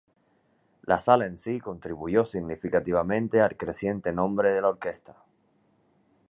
La sala en sí contribuyó significativamente al creciente nombre de la orquesta.